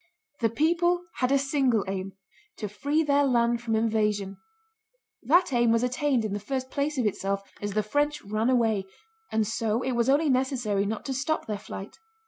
The people had a single aim: to free their land from invasion. That aim was attained in the first place of itself, as the French ran away, and so it was only necessary not to stop their flight.